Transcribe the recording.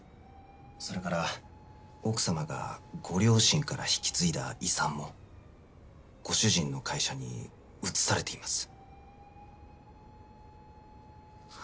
それから奥さまがご両親から引き継いだ遺産もご主人の会社に移されています。